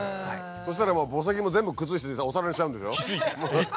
そしたらもう墓石も全部崩してお皿にしちゃうんでしょ？